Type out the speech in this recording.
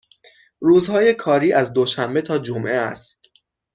روزهای کاری از دوشنبه تا جمعه است.